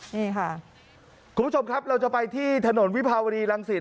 นี่ค่ะคุณผู้ชมครับเราจะไปที่ถนนวิภาวดีรังศิษ